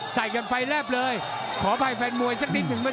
สันติเวียง